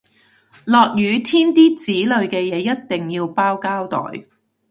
落雨天啲紙類嘅嘢一定要包膠袋